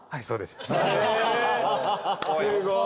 すごい。